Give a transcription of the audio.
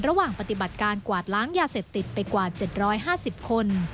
ระหว่างปฏิบัติการกวาดล้างยาเสพติดไปกว่า๗๕๐คน